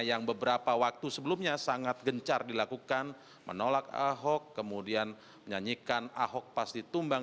yang beberapa waktu sebelumnya sangat gencar dilakukan menolak ahok kemudian menyanyikan ahok pas ditumbang